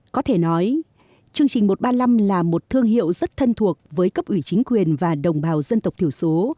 có thể nói chương trình một trăm ba mươi năm là một thương hiệu rất thân thuộc với cấp ủy chính quyền và đồng bào dân tộc thiểu số